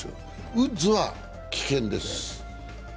ウッズは棄権です。